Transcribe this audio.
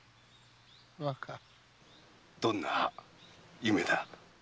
どんな夢だ？